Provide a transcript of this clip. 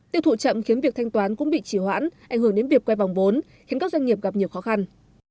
tiêu thụ chậm khiến việc thanh toán cũng bị chỉ hoãn ảnh hưởng đến việc quay vòng vốn khiến các doanh nghiệp gặp nhiều khó khăn